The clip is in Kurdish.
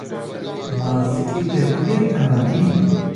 Ma zikê te bûye kadîn.